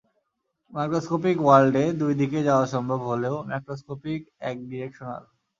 Microscopic ওয়ার্ল্ডে দুই দিকেই যাওয়া সম্ভব হলেও ম্যাক্রোস্কপিক এক ডিরেকশনাল।